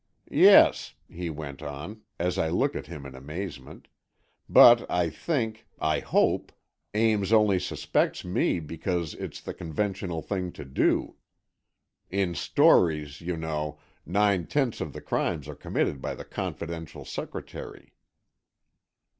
"Yes," he went on, as I looked at him in amazement, "but I think, I hope, Ames only suspects me because it's the conventional thing to do. In stories, you know, nine tenths of the crimes are committed by the confidential secretary."